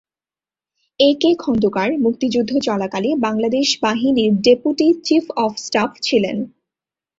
এ কে খন্দকার মুক্তিযুদ্ধ চলাকালে বাংলাদেশ বাহিনীর ডেপুটি চীফ অব স্টাফ ছিলেন।